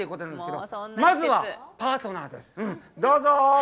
どうぞ。